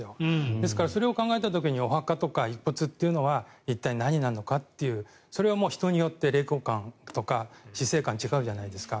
ですからそれを考えた時にお墓とか遺骨というのは一体、何なのかというそれは人によって霊魂観とか死生観が違うじゃないですか。